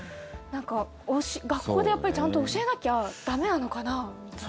学校でちゃんと教えなきゃ駄目なのかなみたいな。